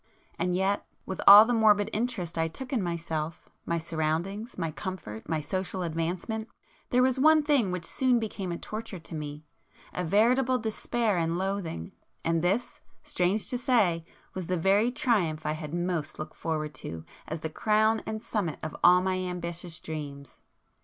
And yet,—with all the morbid interest I took in myself, my surroundings, my comfort, my social advancement, there was one thing which soon became a torture to me,—a veritable despair and loathing,—and this, strange to say, was the very triumph I had most looked forward to as the crown and summit of all my ambitious dreams.